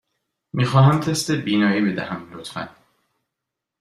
می خواهم تست بینایی بدهم، لطفاً.